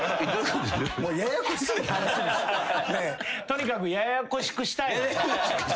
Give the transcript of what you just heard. とにかくややこしくしたい。